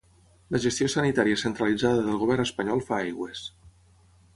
La gestió sanitària centralitzada del govern espanyol fa aigües.